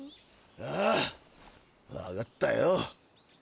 ああ分かったよ。